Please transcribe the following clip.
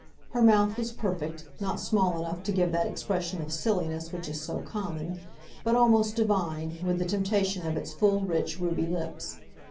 Her mouth was perfect, not small enough to give that expression of silliness which is so common, but almost divine, with the temptation of its full, rich, ruby lips.